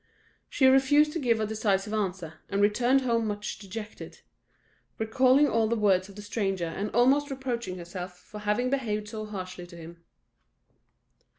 She refused to give a decisive answer, and returned home much dejected; recalling all the words of the stranger, and almost reproaching herself for having behaved so harshly to him.